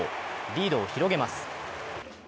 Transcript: リードを広げます。